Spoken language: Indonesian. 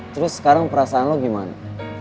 terus sekarang perasaan lo gimana